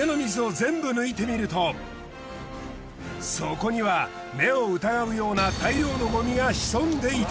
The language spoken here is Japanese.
そこには目を疑うような大量のごみが潜んでいた。